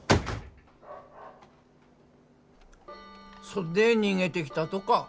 そっで逃げてきたとか。